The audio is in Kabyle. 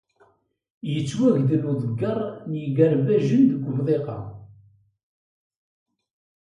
Yettwagdel udegger n yigerwajen deg umiq-a.